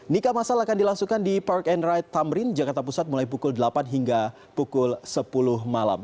nikah masal akan dilangsungkan di park and ride tamrin jakarta pusat mulai pukul delapan hingga pukul sepuluh malam